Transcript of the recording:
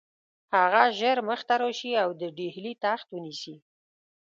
هغه ژر مخته راشي او د ډهلي تخت ونیسي.